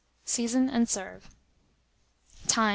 Season and serve. Time.